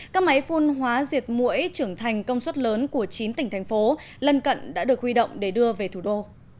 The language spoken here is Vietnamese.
các máy phun hóa diệt mũi trưởng thành công suất lớn của chín tỉnh thành phố lân cận đã được huy động để đưa về thủ đô